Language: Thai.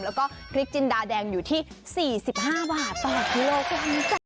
แล้วก็พริกจินดาแดงอยู่ที่๔๕บาทต่อกิโลกรัมจ้ะ